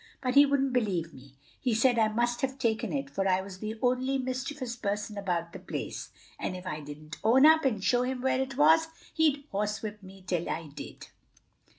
But he wouldn't believe me; he said I must have taken it, for I was the only mischievous person about the place, and if I didn't own up and show him where it was, he'd horsewhip me till I did."